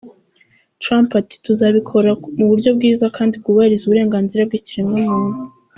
Trump ati “ Tuzabikora mu buryo bwiza kandi bwubahiriza uburenganzira bw’ikiremwamuntu.